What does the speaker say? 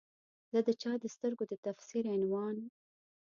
زه د چا د سترګو د تفسیر عنوان